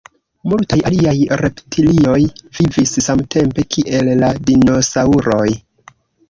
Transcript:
Multaj aliaj reptilioj vivis samtempe kiel la dinosaŭroj.